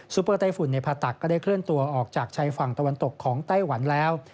เปอร์ไต้ฝุ่นในพาตักก็ได้เคลื่อนตัวออกจากชายฝั่งตะวันตกของไต้หวันแล้ว